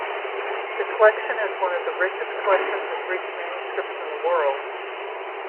The collection is one of the richest collections of Greek manuscripts in the world.